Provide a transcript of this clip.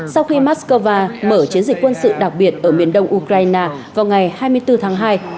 sau khi moscow mở chiến dịch quân sự đặc biệt ở miền đông ukraine vào ngày hai mươi bốn tháng hai